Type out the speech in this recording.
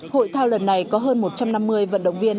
hội thao lần này có hơn một trăm năm mươi vận động viên